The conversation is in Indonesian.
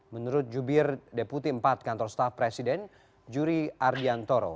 menurut jubir deputi empat kantor staff presiden juri ardiantoro